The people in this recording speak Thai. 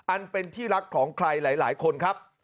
อันเป็นที่รักของใครหลายคนครับ